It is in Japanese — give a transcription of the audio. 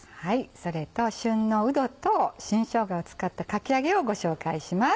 それと旬のうどと新しょうがを使ったかき揚げをご紹介します。